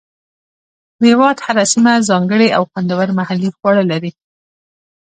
د هېواد هره سیمه ځانګړي او خوندور محلي خواړه لري.